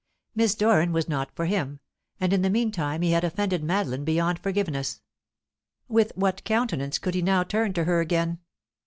Miss Doran was not for him, and in the meantime he had offended Madeline beyond forgiveness. With what countenance could he now turn to her again?